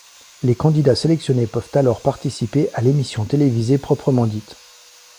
Les candidats sélectionnés peuvent alors participer à l'émission télévisée proprement dite.